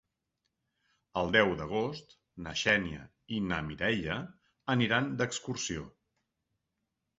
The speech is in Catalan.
El deu d'agost na Xènia i na Mireia aniran d'excursió.